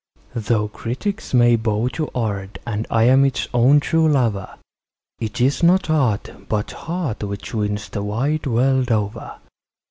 Though critics may bow to art, and I am its own true lover, It is not art, but heart, which wins the wide world over.